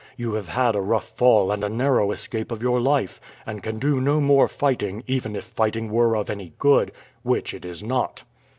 You have had a rough fall and a narrow escape of your life, and can do no more fighting even if fighting were of any good, which it is not."